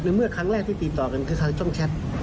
เมื่อครั้งแรกที่ติดต่อกันคือเขาต้องแชท